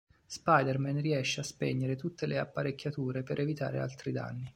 Spider-Man riesce a spegnere tutte le apparecchiature per evitare altri danni.